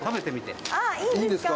いいんですか？